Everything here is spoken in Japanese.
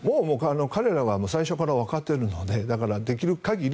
彼らは最初からわかっているのでだから、できる限り